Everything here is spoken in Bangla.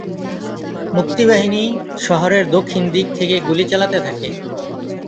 মুক্তিবাহিনী শহরের দক্ষিণ দিক থেকে গুলি চালাতে থাকে।